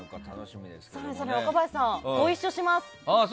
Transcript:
そして若林さん、ご一緒します。